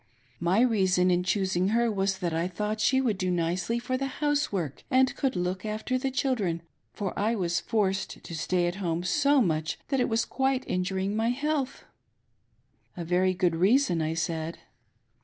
My reason in choosing her was that I thought she would do nicely for the housework and could look after the children, for I was forced to stay at home so much that it was quite injuring my health." " A very good reason," I said.